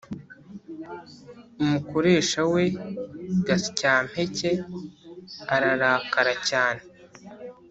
umukoresha we gasyampeke ararakara cyane,